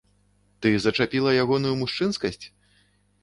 Ты зачапіла ягоную мужчынскасць?